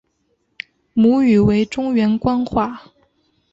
母语为中原官话。